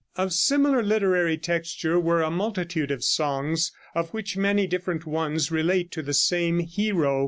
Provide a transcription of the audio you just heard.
Of similar literary texture were a multitude of songs, of which many different ones related to the same hero.